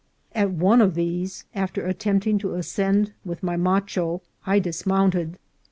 At one of these, after attempting to ascend with my macho, I dismounted.